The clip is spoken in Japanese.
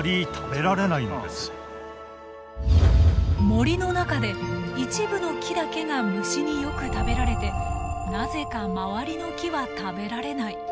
森の中で一部の木だけが虫によく食べられてなぜか周りの木は食べられない。